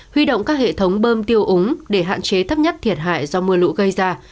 huy động các hệ thống bơm tiêu úng để hạn chế thấp nhất thiệt hại do mưa lũ gây ra